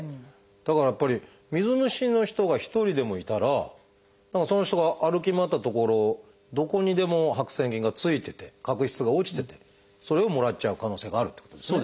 だからやっぱり水虫の人が一人でもいたらその人が歩き回った所どこにでも白癬菌がついてて角質が落ちててそれをもらっちゃう可能性があるってことですね。